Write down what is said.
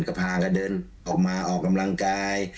ก็พากันเดินออกมาออกกำลังกาย